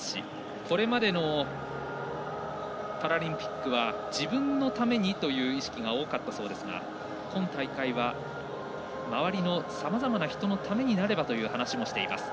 これまでのパラリンピックは自分のためにという意識が大きかったそうですが今大会は周りのさまざまな人のためになればという話もしています。